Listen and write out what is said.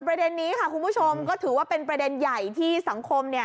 ประเด็นนี้ค่ะคุณผู้ชมก็ถือว่าเป็นประเด็นใหญ่ที่สังคม